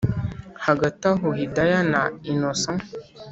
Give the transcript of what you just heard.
hagati aho hidaya na innocent